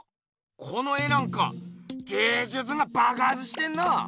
この絵なんか芸術がばくはつしてんな！